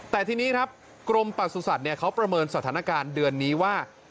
แต่ทีนี้ครับกรมประสุทธิ์เขาประเมินสถานการณ์เดือนนี้ว่า